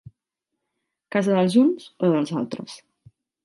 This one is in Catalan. Casa dels uns o dels altres.